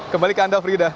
kembali ke anda frida